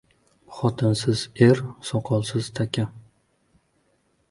• Xotinsiz er — soqolsiz taka.